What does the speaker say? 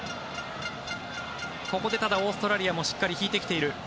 ここでオーストラリアもしっかり引いてきている。